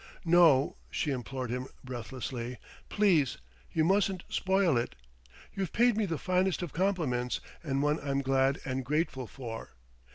"No!" she implored him breathlessly "please you mustn't spoil it! You've paid me the finest of compliments, and one I'm glad and grateful for